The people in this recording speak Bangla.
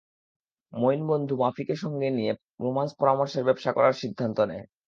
মঈন বন্ধু মাফিকে সঙ্গে নিয়ে রোমান্স পরামর্শের ব্যবসা করার সিদ্ধান্ত নেয়।